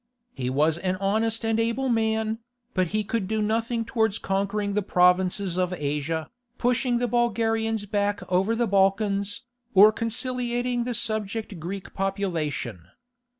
He was an honest and able man, but he could do nothing towards conquering the provinces of Asia, pushing the Bulgarians back over the Balkans, or conciliating the subject Greek population.